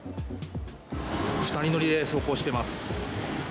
２人乗りで走行してます。